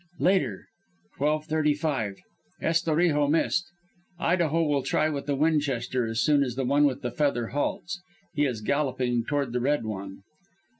Later, twelve thirty five. Estorijo missed. Idaho will try with the Winchester as soon as the One with the Feather halts. He is galloping toward the Red One.